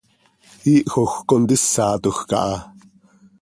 Iihjoj contísatoj caha.